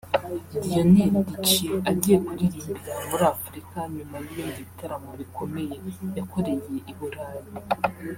Lionel Richie agiye kuririmbira muri Afurika nyuma y’ibindi bitaramo bikomeye yakoreye i Burayi